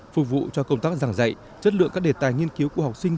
phục vụ cho công tác giảng dạy chất lượng các đề tài nghiên cứu của học sinh